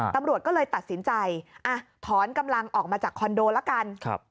ตำรวจก็เลยตัดสินใจถอนกำลังออกมาจากคอนโดละกัน